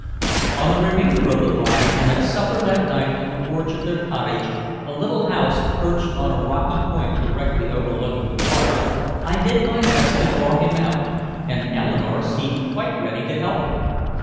On the remainder of the ride, and at supper that night on the porch of their cottage, a little house perched on a rocky point directly overlooking the water, I did my best to draw him out, and Eleanore seemed quite ready to help me.